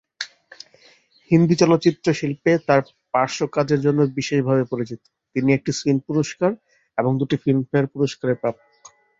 হিন্দি চলচ্চিত্র শিল্পে তার পার্শ্ব কাজের জন্য বিশেষভাবে পরিচিত, তিনি একটি স্ক্রিন পুরস্কার এবং দুইটি ফিল্মফেয়ার পুরস্কারের প্রাপক।